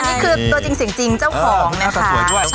อันนี้คือตัวจริงจ้าวของนะคะพี่น่าจะสวยด้วย